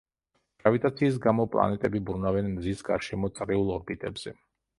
გრავიტაციის გამო პლანეტები ბრუნავენ მზის გარშემო წრიულ ორბიტებზე.